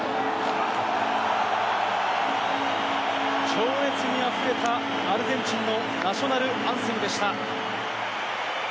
情熱にあふれたアルゼンチンのナショナルアンセムでした。